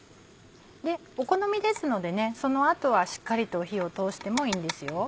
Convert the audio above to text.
お好みですのでその後はしっかりと火を通してもいいんですよ。